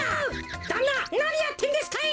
だんななにやってんですかい！